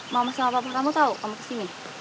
mama sama papa kamu tau kamu kesini